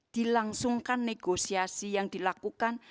dilangsungkan negosiasi yang dilakukan